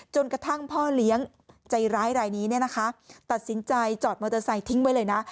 กระทั่งพ่อเลี้ยงใจร้ายรายนี้เนี่ยนะคะตัดสินใจจอดมอเตอร์ไซค์ทิ้งไว้เลยนะ